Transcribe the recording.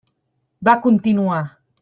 Va continuar.